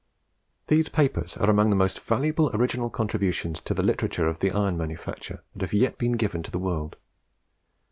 These papers are among the most valuable original contributions to the literature of the iron manufacture that have yet been given to the world.